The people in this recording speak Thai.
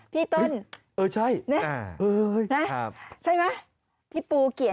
พี่ต้นนี่ใช่ใช่ไหมพี่ปูเกียรติ